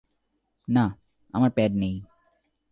না, আমার প্যাড নেই।